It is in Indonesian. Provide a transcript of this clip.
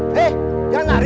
hei jangan lari